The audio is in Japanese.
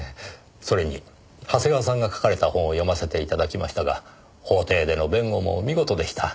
それに長谷川さんが書かれた本を読ませて頂きましたが法廷での弁護も見事でした。